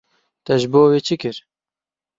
Te ji bo wê çi kir?